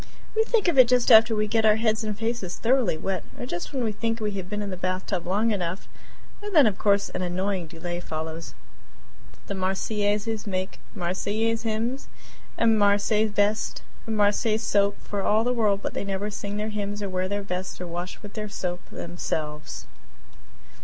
We think of it just after we get our heads and faces thoroughly wet or just when we think we have been in the bathtub long enough, and then, of course, an annoying delay follows. These Marseillaises make Marseillaise hymns and Marseilles vests and Marseilles soap for all the world, but they never sing their hymns or wear their vests or wash with their soap themselves.